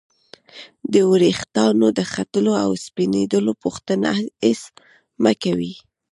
د ورېښتانو د ختلو او سپینیدلو پوښتنه هېڅ مه کوئ!